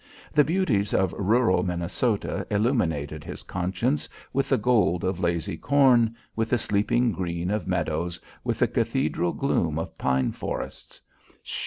The beauties of rural Minnesota illuminated his conscience with the gold of lazy corn, with the sleeping green of meadows, with the cathedral gloom of pine forests.